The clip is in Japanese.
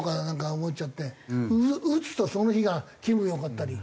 打つとその日が気分良かったり。